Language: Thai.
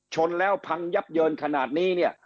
ชนแล้วพังยับเยินขนาดนี้เนี่ย